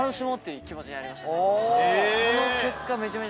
その結果。